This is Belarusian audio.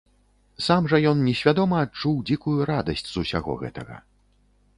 Сам жа ён несвядома адчуў дзікую радасць з усяго гэтага.